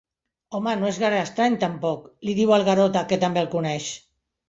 Home, no és gaire estrany, tampoc —li diu el Garota, que també el coneix—.